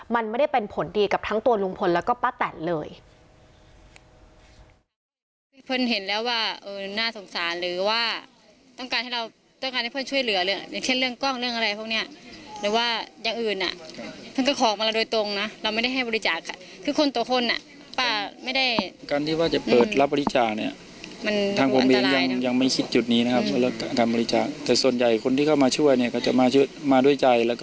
มันไม่ได้เป็นผลดีกับทั้งตัวลุงพลแล้วก็ป้าแตนเลย